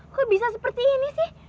kok bisa seperti ini sih